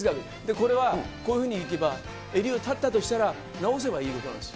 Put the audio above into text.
これは、こういうふうにいけば、襟を立ったとしたら、直せばいいことなんです。